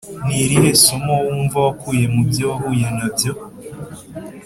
ni irihe somo wumva wakuye mu byo wahuye nabyo